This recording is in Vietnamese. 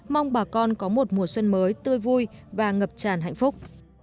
mong bà con có một mùa xuân mới tươi vui và ngập tràn hạnh phúc